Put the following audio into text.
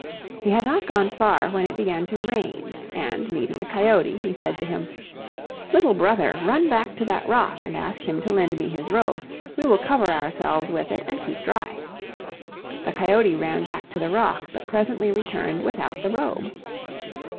He had not gone far when it began to rain, and meeting a coyote, he said to him, "Little brother, run back to that rock and ask him to lend me his robe. We will cover ourselves with it and keep dry." The coyote ran back to the rock, but presently returned without the robe.